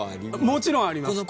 もちろんあります。